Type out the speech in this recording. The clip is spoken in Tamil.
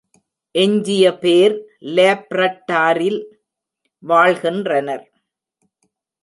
எஞ்சிய பேர் லேப்ரடாரில் வாழ்கின்றனர்.